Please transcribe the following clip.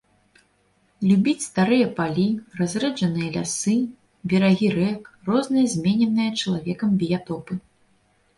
Любіць старыя палі, разрэджаныя лясы, берагі рэк, розныя змененыя чалавекам біятопы.